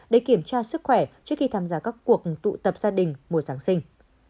để kiểm tra sức khỏe trước khi tham gia các cuộc tụ tập gia đình mùa giáng sinh